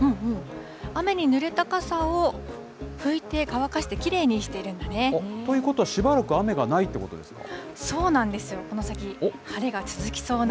雨にぬれた傘を拭いて乾かして、きれいにしているんだね。ということはしばらく雨がないってことですか？